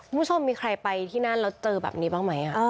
คุณผู้ชมมีใครไปที่นั่นแล้วเจอแบบนี้บ้างไหม